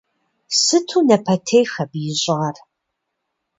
Сыту напэтех абы ищӏар.